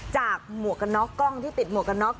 จากหมวกนอกกล้องที่ติดหมวกนอก